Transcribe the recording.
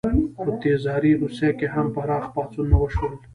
په تزاري روسیه کې هم پراخ پاڅونونه وشول.